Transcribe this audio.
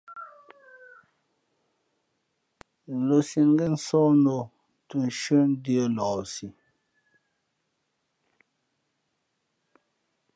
Lǒsīē ngén nsóh nā o tᾱ shʉ́ά ndʉ̄ᾱ lααsi.